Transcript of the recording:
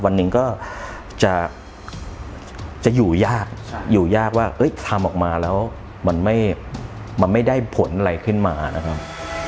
วันหนึ่งก็จะอยู่ยากอยู่ยากว่าทำออกมาแล้วมันไม่ได้ผลอะไรขึ้นมานะครับ